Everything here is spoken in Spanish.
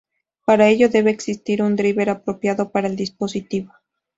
Para ello debe existir un driver apropiado para el dispositivo.